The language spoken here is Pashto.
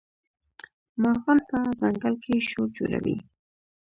مارغان په ځنګل کي شور جوړوي.